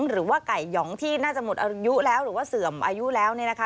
หรือว่าไก่หยองที่น่าจะหมดอายุแล้วหรือว่าเสื่อมอายุแล้วเนี่ยนะคะ